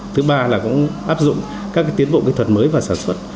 thứ ba là cũng áp dụng các tiến bộ kỹ thuật mới và sản xuất